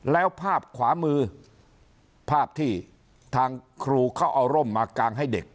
แล้วภาพขวามือภาพที่ทางครูเขาเอาร่มมากางให้เด็ก